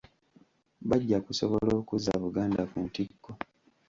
Bajja kusobola okuzza Buganda ku ntikko.